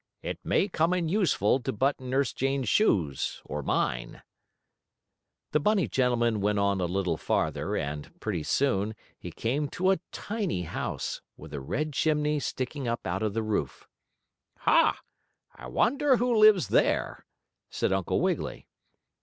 "It may come in useful to button Nurse Jane's shoes, or mine." The bunny gentleman went on a little farther, and, pretty soon, he came to a tiny house, with a red chimney sticking up out of the roof. "Ha! I wonder who lives there?" said Uncle Wiggily.